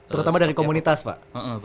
terutama dari komunitas pak